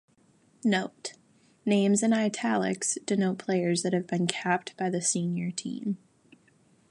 Note: Names in "italics" denote players that have been capped by the senior team.